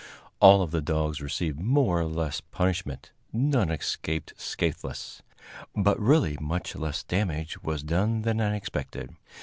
All of the dogs received more or less punishment; none escaped scathless, but really much less damage was done than I expected.